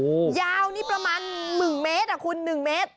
โอ้โหยาวนี่ประมาณ๑เมตรอ่ะคุณหนึ่งเมตร